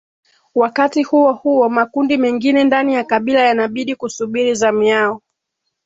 Wakati huo huo makundi mengine ndani ya kabila yanabidi kusuburi zamu yao